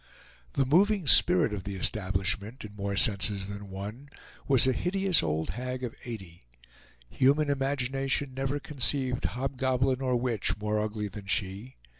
The moving spirit of the establishment, in more senses than one, was a hideous old hag of eighty. Human imagination never conceived hobgoblin or witch more ugly than she.